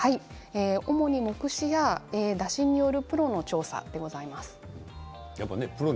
目視や打診による強度の調査でございます。